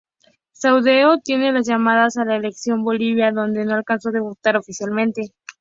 Saucedo tiene tras llamados a la Selección boliviana, donde no alcanzó a debutar oficialmente.